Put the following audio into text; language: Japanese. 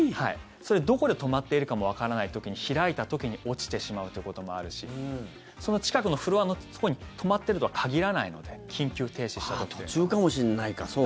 それ、どこで止まっているかもわからない時に開いた時に落ちてしまうということもあるしその近くのフロアのところに止まっているとは限らないので途中かもしれないか。